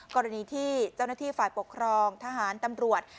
กรณีที่เจ้าหน้าที่ฝ่ายปกครองทหารตำรวจ